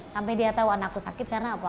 sampai dia tau anak lo sakit karena apa